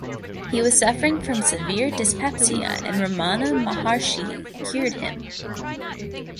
He was suffering from severe dyspepsia and Ramana Maharshi cured him.